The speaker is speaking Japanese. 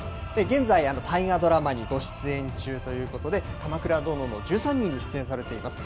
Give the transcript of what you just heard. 現在、大河ドラマにご出演中ということで、鎌倉殿の１３人に出演されています。